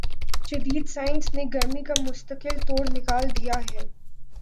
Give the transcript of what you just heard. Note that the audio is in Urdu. جدید سائنس نے گرمی کا مستقل توڑ نکال دیا ہے